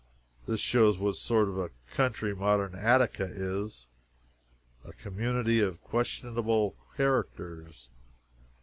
This shows what sort of a country modern Attica is a community of questionable characters.